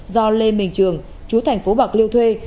do lê minh trường chú thành phố bạc liêu thuê